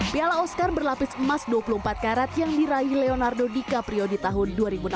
piala oscar berlapis emas dua puluh empat karat yang diraih leonardo dicaprio di tahun dua ribu enam belas